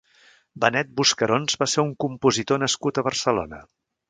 Benet Buscarons va ser un compositor nascut a Barcelona.